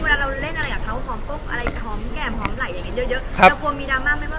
หอมโป๊บอะไรหอมแก่มหอมไหล่อย่างเงี้ยเยอะเยอะครับแต่กลัวมีดราม่าไหมว่า